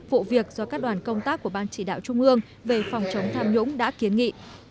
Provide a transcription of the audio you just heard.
vụ việc do các đoàn công tác của ban chỉ đạo trung ương về phòng chống tham nhũng đã kiến nghị